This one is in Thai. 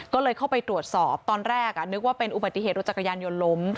ก็เลยเข้าไปตรวจสอบตอนแรกนึกว่าเป็นอุบัติเหตุรถจักรยานยนต์ล้ม